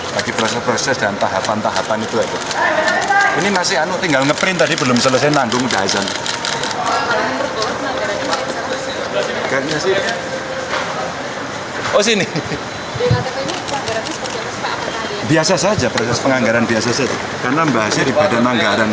biasa saja proses penganggaran karena bahasnya di badan anggaran